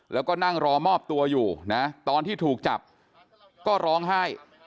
แล้วก็นั่งรอมอบตัวอยู่นะตอนที่ถูกจับก็ร้องไห้